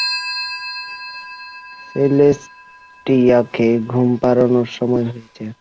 সেলেস্টিয়ালকে ঘুম পাড়ানোর সময় হয়েছে।